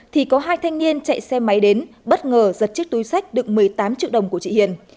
thanh niên chạy xe máy đến bất ngờ giật chiếc túi sách đựng một mươi tám triệu đồng của chị hiền